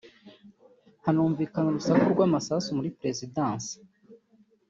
hanumvikana urusaku rw’amasasu muri perezidanse